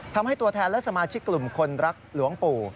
ทำให้ตัวแทนและสมาชิกกลุ่มคนรักหลวงปู่